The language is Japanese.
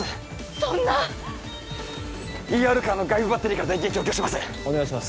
そんなＥＲカーの外部バッテリーから電源供給しますお願いします